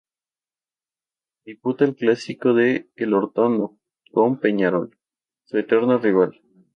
Disputa el clásico de Elortondo con Peñarol, su eterno rival.